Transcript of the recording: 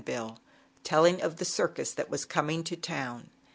bill, telling of the circus that was corn ing to town.